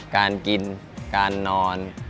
การกินการนอน